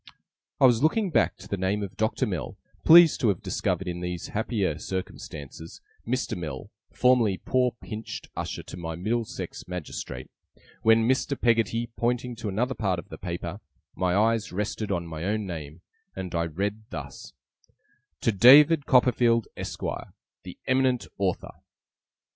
I was looking back to the name of Doctor Mell, pleased to have discovered, in these happier circumstances, Mr. Mell, formerly poor pinched usher to my Middlesex magistrate, when Mr. Peggotty pointing to another part of the paper, my eyes rested on my own name, and I read thus: 'TO DAVID COPPERFIELD, ESQUIRE, 'THE EMINENT AUTHOR.